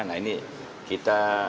nah ini kita